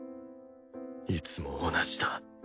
いつも同じだ。